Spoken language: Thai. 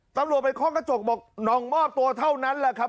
ตำรวจไปเคาะกระจกบอกนองมอบตัวเท่านั้นแหละครับ